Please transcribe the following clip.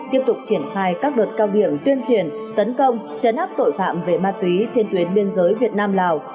tiếp tục triển khai các đợt cao điểm tuyên truyền tấn công chấn áp tội phạm về ma túy trên tuyến biên giới việt nam lào